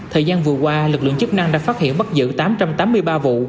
thời gian vừa qua lực lượng chức năng đã phát hiện bắt giữ tám trăm tám mươi ba vụ